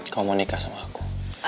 kamu mau nikah sama aku